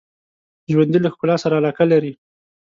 ژوندي له ښکلا سره علاقه لري